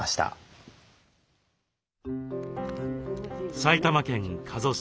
埼玉県加須市。